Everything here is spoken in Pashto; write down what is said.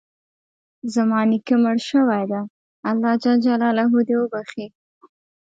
زما نیکه مړ شوی ده، الله ج د وبښي